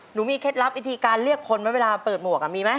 มีเคล็ดลับวิธีการเรียกคนไหมเวลาเปิดหมวกมีไหม